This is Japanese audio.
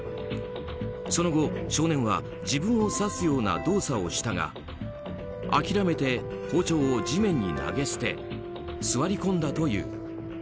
その後、少年は自分を刺すような動作をしたが諦めて包丁を地面に投げ捨て座り込んだという。